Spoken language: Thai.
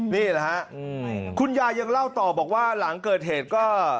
นี่แหละฮะคุณยายยังเล่าต่อบอกว่าหลังเกิดเหตุก็